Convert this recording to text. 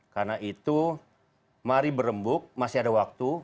karena itu mari berembuk masih ada waktu